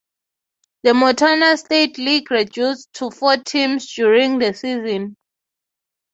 The Montana State League reduced to four teams during the season.